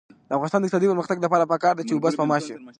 د افغانستان د اقتصادي پرمختګ لپاره پکار ده چې اوبه سپما شي.